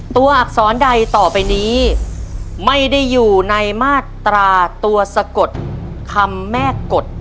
อักษรใดต่อไปนี้ไม่ได้อยู่ในมาตราตัวสะกดคำแม่กฎ